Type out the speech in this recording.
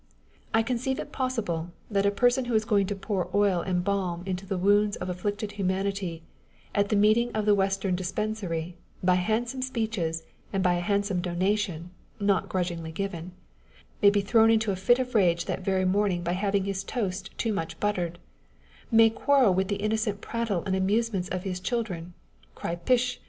I conceive it possible, that a person who is going to pour oil and balm into the wounds of afflicted humanity, at a meeting of the Western Dis pensary, by handsome speeches and by a handsome donation (not grudgingly given), may be thrown into a fit of rage that very morning by having his toast too much buttered, may quarrel with the innocent prattle and amusements of his children, cry " Pish